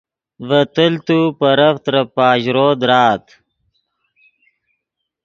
ڤے تیلت و پیرف ترے پاژرو درآت